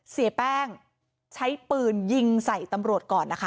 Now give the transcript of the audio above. เสียแป้งใช้ปืนยิงใส่ตำรวจก่อนนะคะ